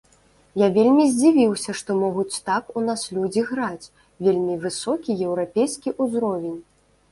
Я вельмі здзівіўся, што могуць так у нас людзі граць, вельмі высокі еўрапейскі ўзровень!